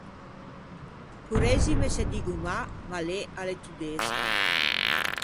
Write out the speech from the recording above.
Correzime se diggo mâ, ma lê a l’é todesca.